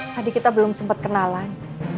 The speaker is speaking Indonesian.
tadi kita belum sempat kenalan